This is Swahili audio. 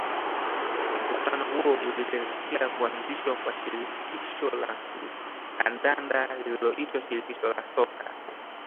mkutano huo ulipelekea kuanzishwa kwa shirikisho la kandanda lililoitwa shirikisho la soka